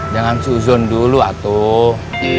jangan suzon dulu atuh